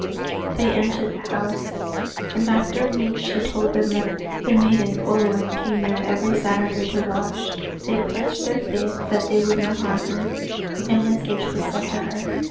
They entered the house, and after meat she told them that the maiden Olwen came there every Saturday to wash. They pledged their faith that they would not harm her, and a message was sent to her.